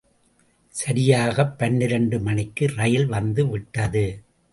சரியாகப் பன்னிரண்டு மணிக்கு ரயில் வந்து விட்டது.